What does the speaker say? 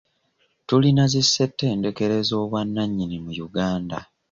Tulina zi ssettendekero ez'obwannanyini mu Uganda.